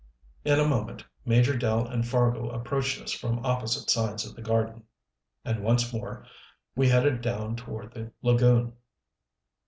In a moment Major Dell and Fargo approached us from opposite sides of the garden, and once more we headed down toward the lagoon.